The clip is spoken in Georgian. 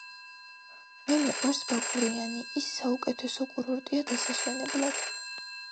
მე მიყვარს ბაკურიანი ის საუკეთესო კურორტია დასასვენებლად